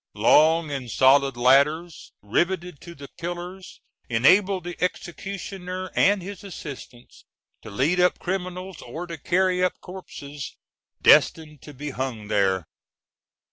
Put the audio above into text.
Long and solid ladders riveted to the pillars enabled the executioner and his assistants to lead up criminals, or to carry up corpses destined to be hung there.